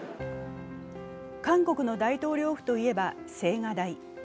韓国の大統領府といえば青瓦台。